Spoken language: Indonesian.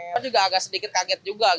kan juga agak sedikit kaget juga